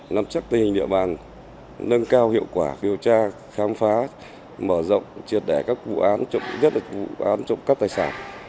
nắm chắc tình hình địa bàn nâng cao hiệu quả kiều tra khám phá mở rộng triệt đẻ các vụ án trộm cắp tài sản